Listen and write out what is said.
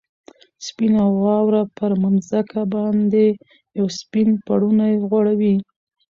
سپینه واوره پر مځکه باندې یو سپین پړونی غوړوي.